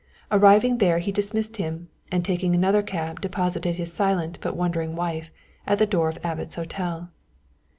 Arriving there he dismissed him, and taking another cab deposited his silent but wondering wife at the door of Abbot's Hotel.